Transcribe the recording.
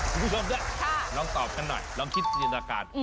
๓๒๓คุณผู้ชมนะลองตอบกันหน่อยลองคิดสินตราการ